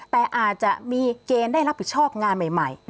แต่อาจจะมีเกณฑ์ได้รับผิดชอบงานใหม่